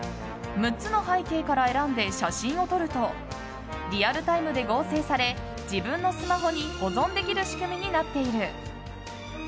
６つの背景から選んで写真を撮るとリアルタイムで合成され自分のスマホに保存できる仕組みになっている。